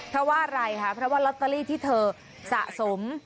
เพราะว่าอะไรคะเพราะว่าลอตเตอรี่ที่เธอสะสม